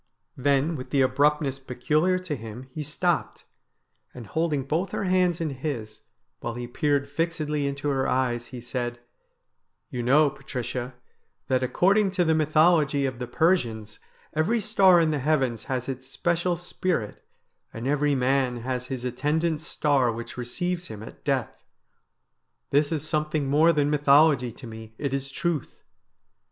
Then with the abrupt ness peculiar to him he stopped, and holding both her hands in his, while he peered fixedly into her eyes, he said :' You know, Patricia, that according to the mythology of the Persians every star in the heavens has its special spirit, and every man has his attendant star which receives him at death. This is something more than mythology to me, it is truth.